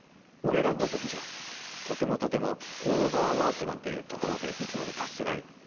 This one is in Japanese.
俺らごときじゃとてもとてもオーバーワークなんていうとこまで域まで達せない。